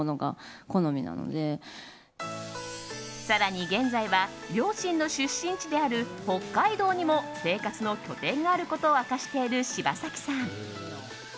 更に、現在は両親の出身地である北海道にも生活の拠点があることを明かしている柴咲さん。